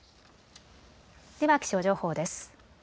では気象情報です。